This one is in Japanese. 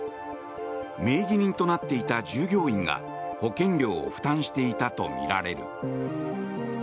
名義人となっていた従業員が保険料を負担していたとみられる。